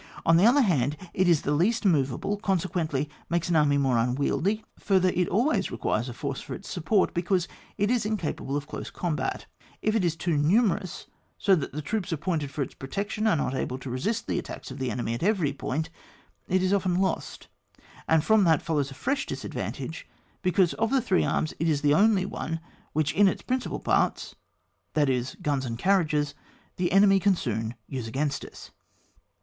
On the other hand, it is the least moveable, consequently, makes an army more unwieldy ; further, it always requires a force for ite support, because it is incapable of close combat ; if it is too numerous, so that the troops appointed for its protection are not able to resist the attacks of the enemy at every point, it is often lost, and from that follows a fresh disadvantage, because of the three arms it is the only one which in its principal parts, that is guns and carriages, the enemy can soon use against us.